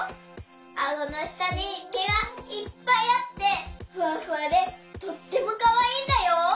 あごのしたにけがいっぱいあってふわふわでとってもかわいいんだよ。